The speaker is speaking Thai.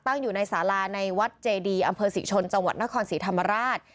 ตั้งอยู่ในสาราในวัดเจดีอำเภอศรีชนจังหวัดนครศรีธรรมราช